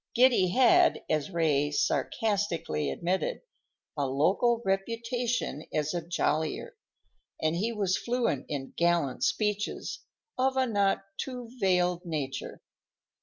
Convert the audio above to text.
Giddy had, as Ray sarcastically admitted, "a local reputation as a jollier," and he was fluent in gallant speeches of a not too veiled nature.